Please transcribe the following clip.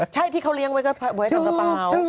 ใช่ที่เขาเลี้ยงไว้ทำกระเป๋า